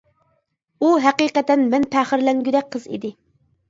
ئۇ ھەقىقەتەن مەن پەخىرلەنگۈدەك قىز ئىدى.